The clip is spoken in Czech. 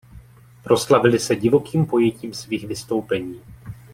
Proslavili se divokým pojetím svých vystoupení.